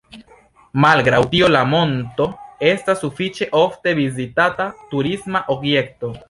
Malgraŭ tio la monto estas sufiĉe ofte vizitata turisma objekto.